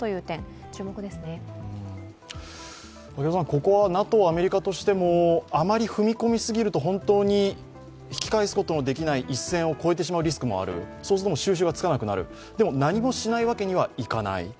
ここはＮＡＴＯ、アメリカとしてもあまり踏み込みすぎると本当に引き返すことのできない一線を越えてしまうリスクもある、そうすると収拾がつかなくなる、でも何もしないわけにはいかない。